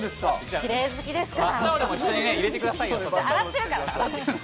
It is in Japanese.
きれい好きですから。